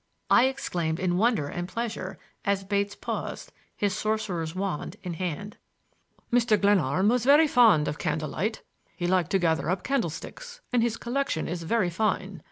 I exclaimed in wonder and pleasure as Bates paused, his sorcerer's wand in hand. "Mr. Glenarm was very fond of candle light; he liked to gather up candlesticks, and his collection is very fine.